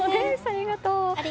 ありがとう。